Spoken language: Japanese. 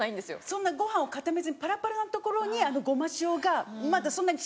そんなご飯を固めずにパラパラなところにあのごま塩がまだそんなに浸透する前。